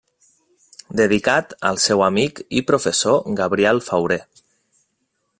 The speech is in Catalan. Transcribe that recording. Dedicat al seu amic i professor Gabriel Fauré.